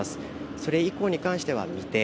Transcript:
それ以降に関しては未定。